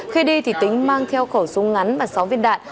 khi đi thì tính mang theo khẩu súng ngắn và sáu viên đạn